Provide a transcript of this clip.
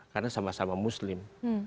karena sama sama muslim